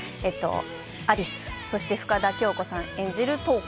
有栖そして深田恭子さん演じる瞳子